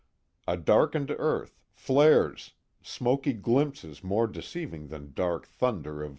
A darkened earth, flares, smoky glimpses more deceiving than dark, thunder of